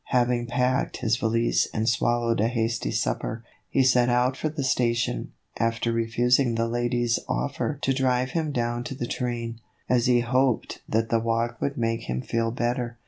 Having packed his valise and swallowed a hasty supper, he set out for the station, after refusing the ladies' offer to drive him down to the train, as he hoped that the walk would make him feel better.